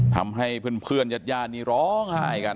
ทำให้เพื่อนยาดนี่ร้องหายกัน